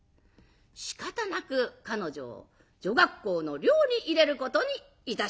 しかたなく彼女を女学校の寮に入れることにいたしました。